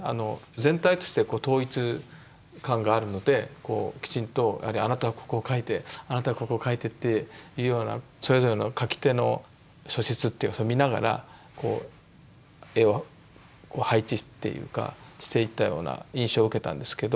全体として統一感があるのできちんと「あなたはここを描いてあなたはここを描いて」っていうようなそれぞれの描き手の素質っていうのを見ながら絵を配置っていうかしていったような印象を受けたんですけど。